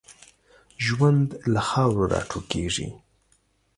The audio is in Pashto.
ژوند له خاورو را ټوکېږي.